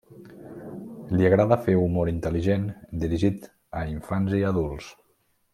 Li agrada fer humor intel·ligent dirigit a infants i adults.